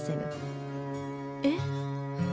えっ？